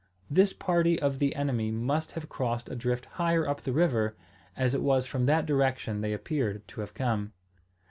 This party of the enemy must have crossed a drift higher up the river, as it was from that direction they appeared to have come.